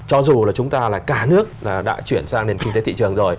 cho dù là chúng ta là cả nước đã chuyển sang nền kinh tế thị trường rồi